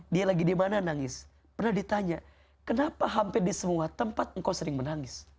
dia lagi dimana nangis pernah ditanya kenapa hampir di semua tempat engkau sering menangis